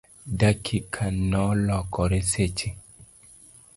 dakika nolokore seche